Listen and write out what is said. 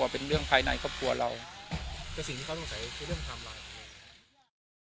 วันนี้ก็จะเป็นสวัสดีครับ